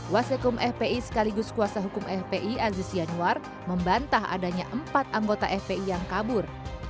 wasekum fpi sekaligus kuasa hukum fpi aziz yanuar membantah adanya empat anggota fpi yang kabur